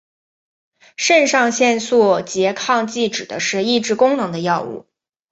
肾上腺素拮抗剂指的是抑制功能的药物。